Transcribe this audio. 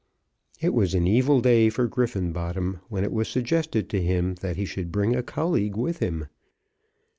It was an evil day for Griffenbottom when it was suggested to him that he should bring a colleague with him.